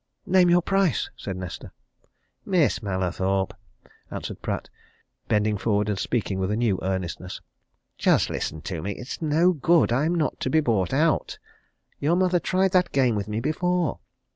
"Name your price!" said Nesta. "Miss Mallathorpe!" answered Pratt, bending forward and speaking with a new earnestness. "Just listen to me. It's no good. I'm not to be bought out. Your mother tried that game with me before.